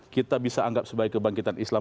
kita bisa anggap sebagai kebangkitan islam